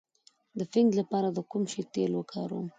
د فنګس لپاره د کوم شي تېل وکاروم؟